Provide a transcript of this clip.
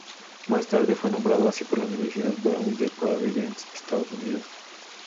Más tarde fue nombrado así por la universidad Brown de Providence, Estados Unidos.